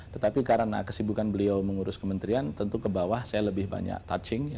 tetapi karena kesibukan beliau mengurus kementerian tentu ke bawah saya lebih banyak touching